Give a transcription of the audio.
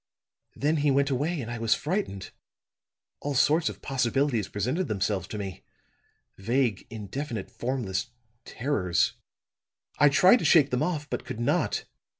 "Then he went away, and I was frightened. All sorts of possibilities presented themselves to me vague, indefinite, formless terrors. I tried to shake them off, but could not.